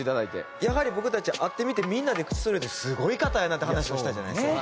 やはり僕たち会ってみてみんなで口そろえてすごい方やなって話をしたじゃないですか。